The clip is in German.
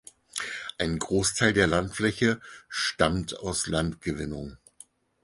Ein Großteil der Landfläche stammt aus Landgewinnung.